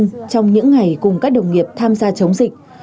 không muốn nói về những ngày cùng các đồng nghiệp tham gia chống dịch